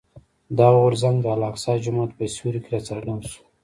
دغه غورځنګ د الاقصی جومات په سیوري کې راڅرګند شو.